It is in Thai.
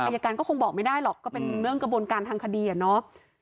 อายการก็คงบอกไม่ได้หรอกก็เป็นเรื่องกระบวนการทางคดีอ่ะเนาะ